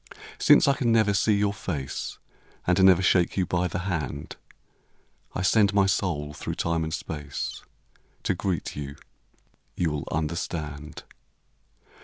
Since I can never see your face, And never shake you by the hand, 1 send my soul through time and space To greet you. You will understand.